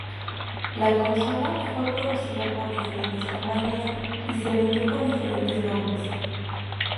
La consola fue producida por diferentes compañías y se vendió con diferentes nombres.